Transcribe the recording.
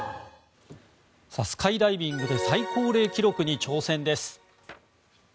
スカイダイビングで最高齢記録に挑戦です。